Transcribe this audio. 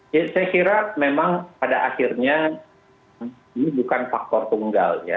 ya saya kira memang pada akhirnya ini bukan faktor tunggal ya